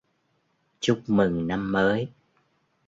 chúc mừng năm mới